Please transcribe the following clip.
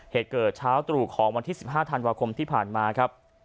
เหตุเกิดเช้าตรู่ของวันที่๑๕ธันวาคมที่ผ่านมาครับ